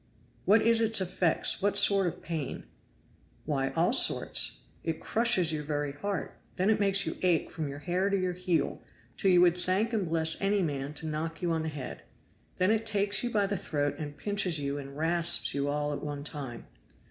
"What is its effect? What sort of pain?" "Why, all sorts! it crushes your very heart. Then it makes you ache from your hair to your heel, till you would thank and bless any man to knock you on the head. Then it takes you by the throat and pinches you and rasps you all at one time.